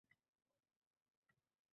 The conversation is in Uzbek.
Mana sohil — tik qirg’oq